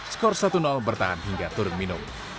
skor satu bertahan hingga turun minum